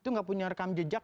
itu nggak punya rekam jejak